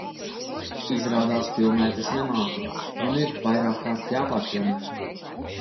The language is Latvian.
Izrādās filmēt es nemāku, un ir vairākkārt jāpārfilmē.